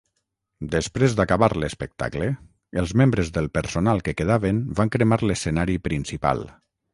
Després d'acabar l'espectacle, els membres del personal que quedaven van cremar l'escenari principal.